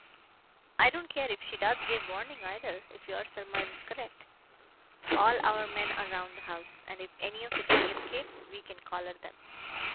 I don't care if she does give warning either, if your surmise is correct. All our men are round the house, and if any of the gang escape we can collar them."